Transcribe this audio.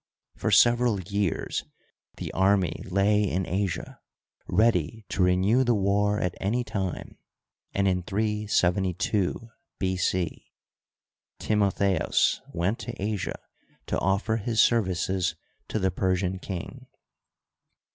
For several years the army lay in Asia ready to renew the war at any time, and in 372 B. c. Timotheos went to Asia to offer his services to the Persian king.